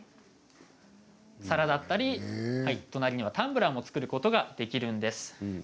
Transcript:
お皿だったり隣にはタンブラーを作ることができるんです。